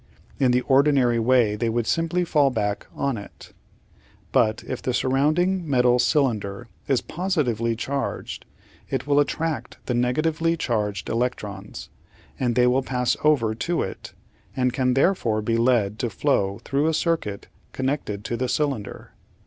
In the ordinary way they would simply fall back on it. But if the surrounding metal cylinder is positively charged it will attract the negatively charged electrons, and they will pass over to it and 836 The Outline of Science can therefore be led to flow through a circuit connected to the cylinder.